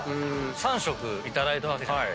３食いただいたわけじゃない。